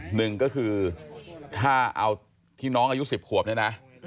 หนึ่งก็คือถ้าเอาที่น้องอายุ๑๐ขวบเนี่ยนะ